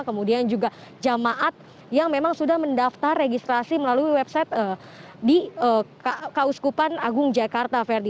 kemudian juga jemaat yang memang sudah mendaftar registrasi melalui website di kauskupan agung jakarta ferdi